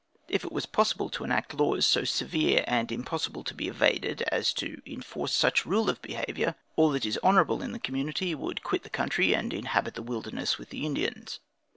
If it was possible to enact laws so severe and impossible to be evaded, as to enforce such rule of behavior, all that is honorable in the community would quit the country and inhabit the wilderness with the Indians.